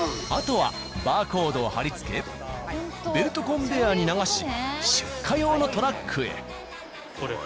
あとはバーコードを貼り付けベルトコンベヤーに流し出荷用のトラックへ。